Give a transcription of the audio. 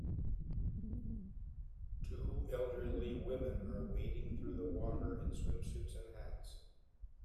Two elderly women are wading through the water in swimsuits and hats